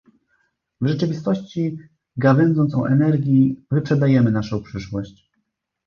W rzeczywistości gawędząc o energii, wyprzedajemy naszą przyszłość